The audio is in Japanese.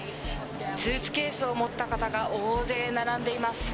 スーツケースを持った方が大勢並んでいます。